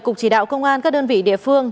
cục chỉ đạo công an các đơn vị địa phương